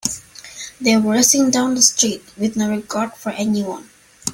They were racing down the streets with no regard for anyone.